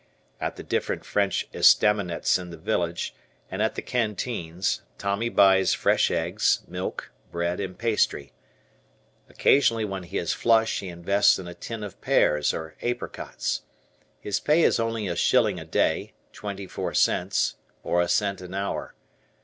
At the different French estaminets in the village, and at the canteens, Tommy buys fresh eggs, milk, bread, and pastry. Occasionally when he is flush, he invests in a tin of pears or apricots. His pay is only a shilling a day, twenty four cents, or a cent an hour.